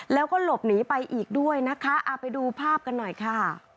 แล้วก็หลบหนีไปอีกด้วยนะคะเอาไปดูภาพกันหน่อยค่ะ